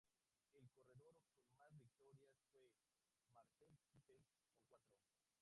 El corredor con más victorias fue Marcel Kittel con cuatro.